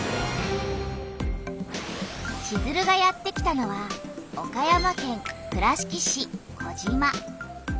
チズルがやって来たのは岡山県倉敷市児島。